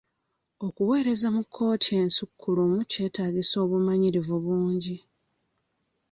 Okuweereza mu kkooti ensukkulumu kyetaagisa obumanyirivu bungi.